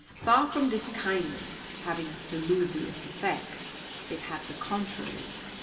Far from this kindness having a salubrious effect, it had the contrary.